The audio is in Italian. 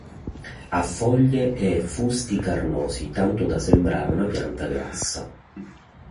Ha foglie e fusti carnosi, tanto da sembrare una pianta grassa.